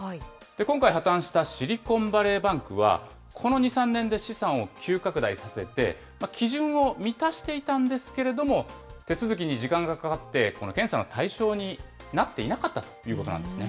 今回破綻したシリコンバレーバンクは、この２、３年で資産を急拡大させて、基準を満たしていたんですけれども、手続きに時間がかかって、この検査の対象になっていなかったということなんですね。